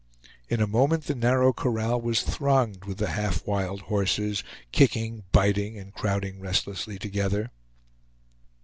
In a moment the narrow corral was thronged with the half wild horses, kicking, biting, and crowding restlessly together.